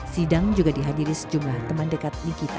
sidang juga dihadiri sejumlah teman dekat nikita